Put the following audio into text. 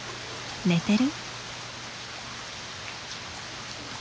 寝てる？